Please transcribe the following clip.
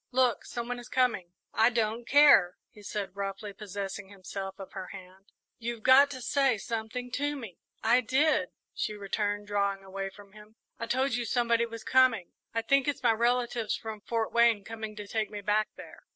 "Look, some one is coming!" "I don't care," he said, roughly, possessing himself of her hand; "you've got to say something to me!" "I did," she returned, drawing away from him, "I told you somebody was coming. I think it's my relatives from Fort Wayne coming to take me back there."